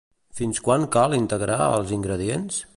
Fins quan cal integrar els ingredients?